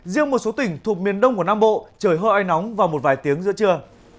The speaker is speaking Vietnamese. riêng một số tỉnh thuộc miền đông của nam bộ trời hơi nóng vào một vài tiếng giữa trưa